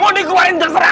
mau dikeluarin terserah